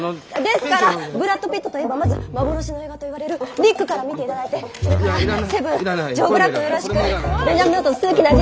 ですからブラッド・ピットといえばまず幻の映画といわれる「リック」から見て頂いてそれから「セブン」「ジョー・ブラックをよろしく」「ベンジャミン・バトン数奇な人生」。